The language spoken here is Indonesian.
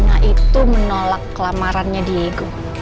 nah itu menolak kelamarannya diego